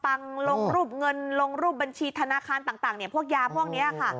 ลงรูปเงินลงรูปบัญชีธนาคารต่างพวกยาพวกนี้ค่ะ